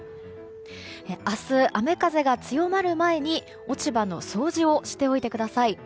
明日、雨風が強まる前に落ち葉の掃除をしておいてください。